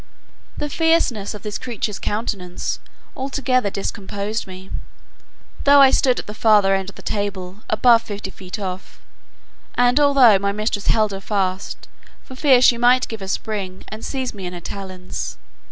The fierceness of this creature's countenance altogether discomposed me; though I stood at the farther end of the table, above fifty feet off; and although my mistress held her fast, for fear she might give a spring, and seize me in her talons.